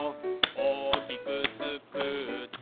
「おおきくつくって」